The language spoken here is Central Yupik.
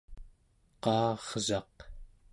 qaarsaq